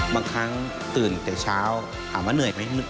บางครั้งตื่นแต่เช้าถามว่าเหนื่อยไหม